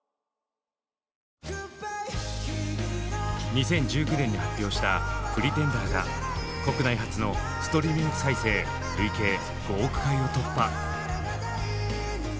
２０１９年に発表した「Ｐｒｅｔｅｎｄｅｒ」が国内初のストリーミング再生累計５億回を突破。